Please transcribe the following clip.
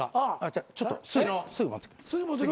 じゃあちょっとすぐ持ってきます。